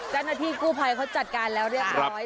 เจ้าหน้าที่กู้ภัยเขาจัดการแล้วเรียบร้อย